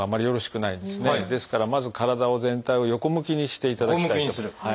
ですからまず体を全体を横向きにしていただきたいと。